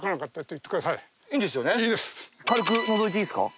軽くのぞいていいですか？